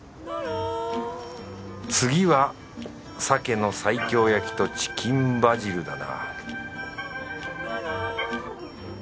次はサケの西京焼きとチキンバジルだな